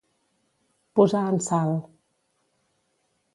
Posar en sal.